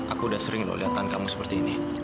aku udah sering lho lihat tahan kamu seperti ini